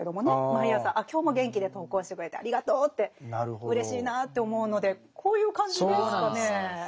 毎朝今日も元気で登校してくれてありがとうってうれしいなって思うのでこういう感じですかね。